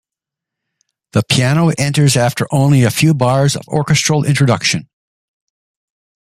The piano enters after only a few bars of orchestral introduction.